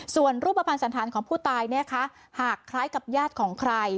ส่วนรูปภัณฑ์สันธารของผู้ตายเนี่ยค่ะหากคล้ายกับญาติของใคร